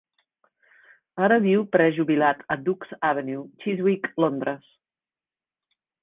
Ara viu prejubilat a Duke's Avenue, Chiswick, Londres.